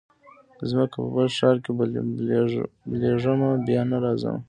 ځمه په بل ښار کي بلېږمه بیا نه راځمه